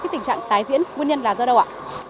tình trạng tài diễn nguyên nhân là do đâu ạ